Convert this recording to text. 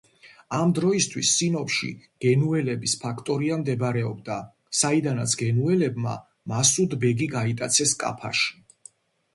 ამ დროისთვის სინოპში გენუელების ფაქტორია მდებარეობდა, საიდანაც გენუელებმა მასუდ ბეგი გაიტაცეს კაფაში.